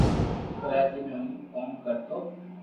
ڪراچي مي ھون ڪوم ڪرتو